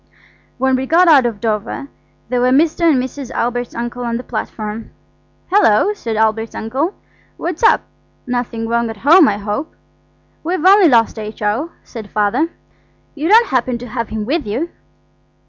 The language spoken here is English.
When we got out at Dover there were Mr. and Mrs. Albert's uncle on the platform. "Hullo," said Albert's uncle. "What's up? Nothing wrong at home, I hope." "We've only lost H.O.," said my father. "You don't happen to have him with you?"